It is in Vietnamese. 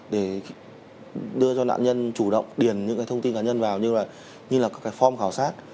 để đưa cho nạn nhân chủ động điền những thông tin cá nhân vào như là các form khảo sát